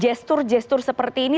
jadi gestur gestur seperti itu